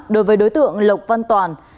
đối với đối tượng lộc văn toàn